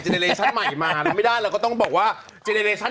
จริงเหรอ